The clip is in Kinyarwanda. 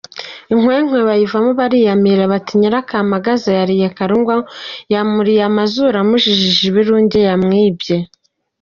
Inkwekwe bayivaho bariyamirira bati "Nyirakamagaza yariye Karungu; yamuriye amazuru amujijije ibirunge yamwibye!".